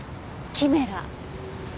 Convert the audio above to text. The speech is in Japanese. キメラ？